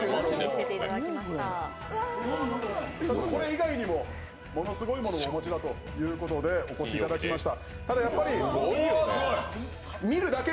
これ以外にもものすごいものをお持ちだということでお越しいただきました。